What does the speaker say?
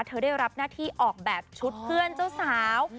เธอได้รับหน้าที่ออกแบบชุดเพื่อนเจ้าสาว